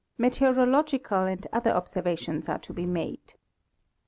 Meteorological and other observations are to be made.